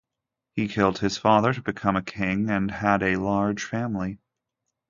He killed his father to become a king and had a large family.